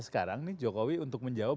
sekarang nih jokowi untuk menjawab